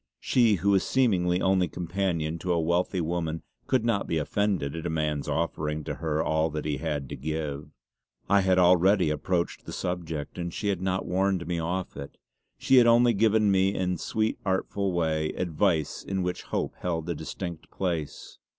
She, who was seemingly only companion to a wealthy woman, could not be offended at a man's offering to her all he had to give. I had already approached the subject, and she had not warned me off it; she had only given me in a sweetly artful way advice in which hope held a distinct place.